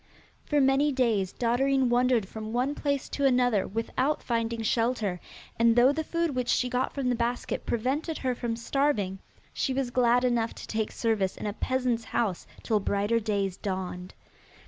For many days Dotterine wandered from one place to another without finding shelter, and though the food which she got from the basket prevented her from starving, she was glad enough to take service in a peasant's house till brighter days dawned.